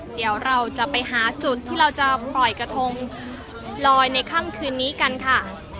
เดี๋ยวเราจะไปหาจุดที่เราจะปล่อยกระทงลอยในค่ำคืนนี้กันค่ะ